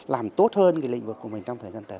làm tốt hơn cái lĩnh vực của mình trong thời gian tới